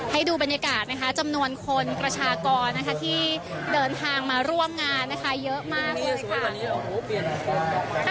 ให้ดูบรรยากาศนะคะจำนวนคนประชากรที่เดินทางมาร่วมงานนะคะเยอะมากเลยค่ะ